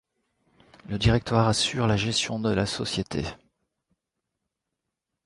Le Directoire assure la gestion de la société.